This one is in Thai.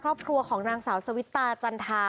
ครอบครัวของนางสาวสวิตาจันทา